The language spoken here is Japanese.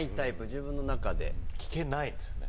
自分の中で聞けないですね